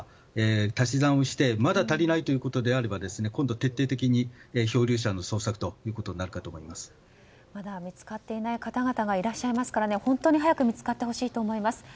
足し算をしてまだ足りないということであれば今度は徹底的にまだ見つかっていない方々がいらっしゃいますから本当に早く見つかってほしいと思います。